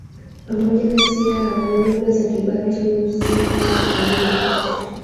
pamoja kati yao lugha za Kibantu ziko karibu